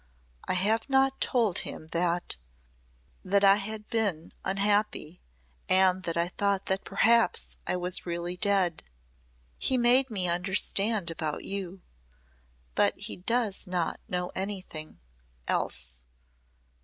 I have not told him that that I have been unhappy and that I thought that perhaps I was really dead. He made me understand about you but he does not know anything else.